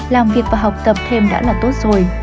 làm việc và học tập thêm đã là tốt rồi